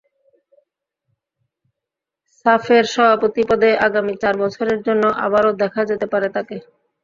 সাফের সভাপতি পদে আগামী চার বছরের জন্য আবারও দেখা যেতে পারে তাঁকে।